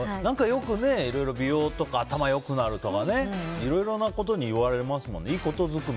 よく、いろいろ美容とか頭が良くなるとかいろいろなことに言われてますもんね。